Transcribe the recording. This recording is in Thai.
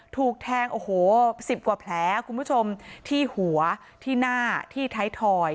ถูกแทง๑๐กว่าแผลที่หัวที่หน้าที่ท้ายถอย